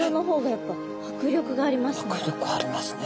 迫力ありますね。